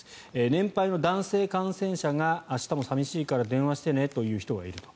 年配の男性感染者が明日も寂しいから電話してねと言う人がいると。